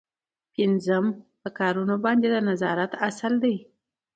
پنځم په کارونو باندې د نظارت اصل دی.